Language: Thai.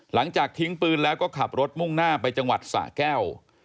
หลังจากทิ้งปืนแล้วก็ขับรถมุ่งหน้าไปจังหวัดสะแก้ว